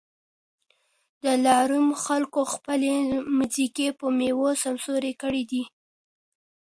د دلارام خلکو خپلي مځکې په میوو سمسوري کړي دي